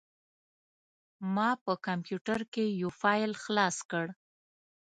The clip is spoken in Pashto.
ما په کمپوټر کې یو فایل خلاص کړ.